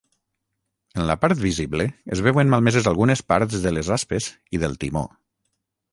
En la part visible es veuen malmeses algunes parts de les aspes i del timó.